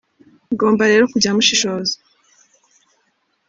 Mugomba rero kujya mushishoza